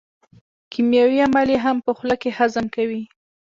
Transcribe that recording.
کیمیاوي عملیې هم په خوله کې هضم کوي.